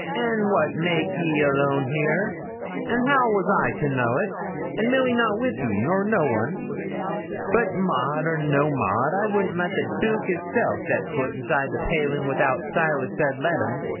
'And what make ye alone here? and how was I to know't, an' Milly not wi' ye, nor no one? But Maud or no Maud, I wouldn't let the Dooke hisself set foot inside the palin' without Silas said let him.